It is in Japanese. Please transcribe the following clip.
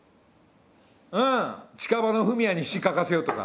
うん近場のフミヤに詞書かせようとか。